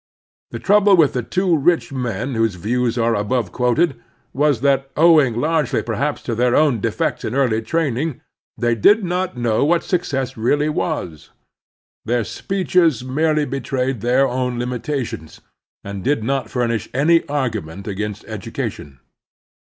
The trouble with the two rich men whose views are above quoted was that, owing largely perhaps to their own defects in early training, they did not know what success really was. Their speeches merely betrayed their own limitations, and did not furnish any argument against education.